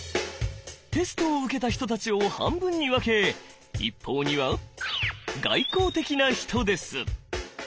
テストを受けた人たちを半分に分け一方には「外向的な人です」。